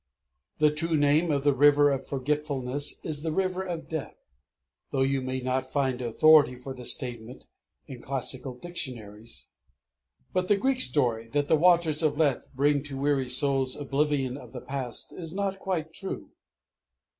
The true name of the River of Forgetfulness is the River of Death though you may not find authority for the statement in classical dictionaries. But the Greek story, that the waters of Lethe bring to weary souls oblivion of the past, is not quite true.